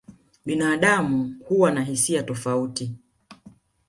Binadamu huwa na hisia tofauti.